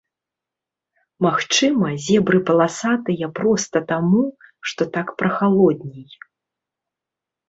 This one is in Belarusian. Магчыма, зебры паласатыя проста таму, што так прахалодней.